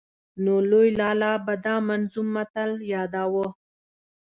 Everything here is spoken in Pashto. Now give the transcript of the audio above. نو لوی لالا به دا منظوم متل ياداوه.